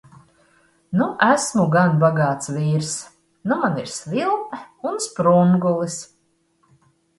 Nu esmu gan bagāts vīrs. Nu man ir svilpe un sprungulis!